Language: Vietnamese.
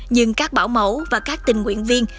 nhưng các bảo mẫu và các tình nguyện viên